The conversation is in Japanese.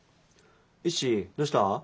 イッシーどうした？